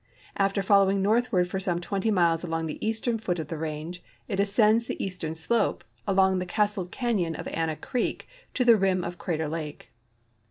After following northward for some twenty miles along the eastern foot of the range, it ascends the eastern slope, along the castled canyon of Anna creek to the rim of Crater lake.